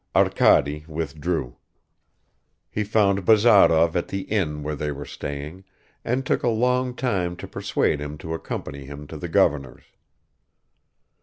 Arkady withdrew. He found Bazarov at the inn where they were staying, and took a long time to persuade him to accompany him to the governor's.